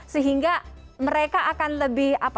sehingga mereka akan lebih apa